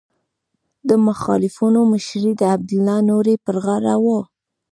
د مخالفینو مشري د عبدالله نوري پر غاړه وه.